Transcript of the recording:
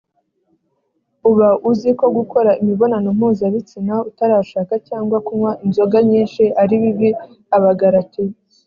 uba uzi ko gukora imibonano mpuzabitsina utarashaka cyangwa kunywa inzoga nyinshi ari bibi abagalatiya